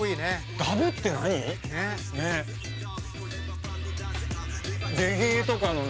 ダブって何？